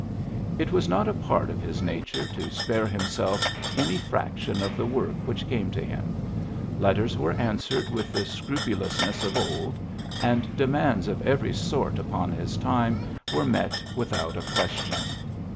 It was not a part of his nature to spare himself any fraction of the work which came to him. Letters were an swered with the scrupulousness of old, and demands of every sort upon his time were met without a question.